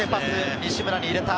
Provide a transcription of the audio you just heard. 西村に入れた。